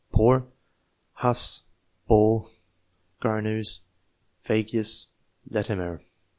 4. Poor. Huss, Ball, Grynseus, Fagius, Latimer.